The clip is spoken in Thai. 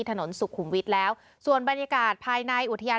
ถนนสุขุมวิทย์แล้วส่วนบรรยากาศภายในอุทยาน